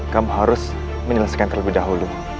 kamu harus menyelesaikan terlebih dahulu